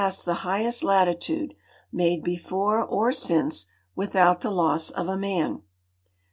sed the highest latitude, made before or since, without the loss of a man.